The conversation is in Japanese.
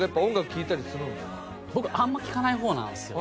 僕あんま聴かない方なんですよね。